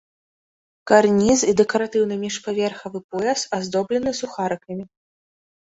Карніз і дэкаратыўны міжпаверхавы пояс аздоблены сухарыкамі.